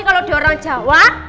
kalau diorang jawa